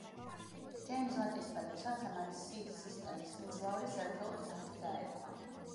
ჯეიმზ ვატის პატივსაცემად სი სისტემის სიმძლავრის ერთეულს ვატი დაერქვა.